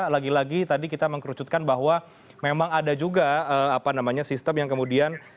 lagi lagi tadi kita mengkerucutkan bahwa memang ada juga apa namanya sistem yang kemudian